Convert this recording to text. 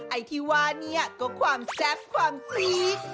ไอ้ที่ว่านี่ก็ความแซ่บความซีก